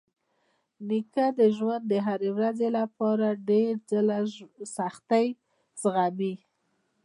نیکه د ژوند د هرې ورځې لپاره ډېر ځله سختۍ زغمي.